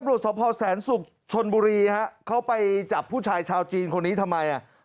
บริษัทสพสัญศุกร์ชนบุรีเขาไปจับผู้ชายชาวจีนคนนี้ทำไม